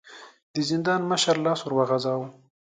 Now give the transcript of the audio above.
د زندان مشر لاس ور وغځاوه.